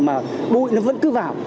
mà bụi nó vẫn cứ vào